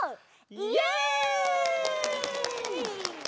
イエイ！